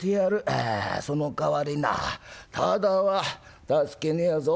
あそのかわりなただは助けねえぞ。